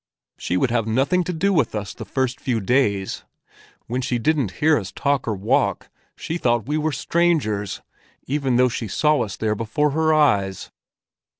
She would have nothing to do with us the first few days; when she didn't hear us talk or walk, she thought we were strangers, even though she saw us there before her eyes."